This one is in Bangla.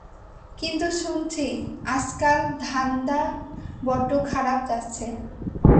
কিন্তু শুনছি আজকাল ধান্ধা বড্ড খারাপ যাচ্ছে।